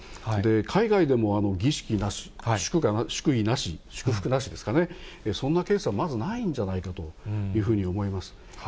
海外でも儀式なし、祝意なし、祝福なしですかね、そんなケースはまずないんじゃないかというふうに思います。